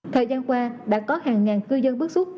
thời gian qua đã có hàng ngàn cư dân bước xuất